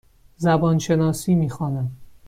زبان شناسی می خوانم.